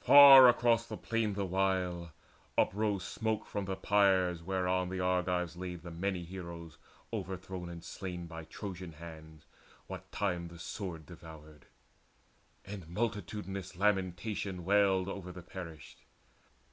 Far off across the plain the while uprose Smoke from the pyres whereon the Argives laid The many heroes overthrown and slain By Trojan hands what time the sword devoured; And multitudinous lamentation wailed Over the perished.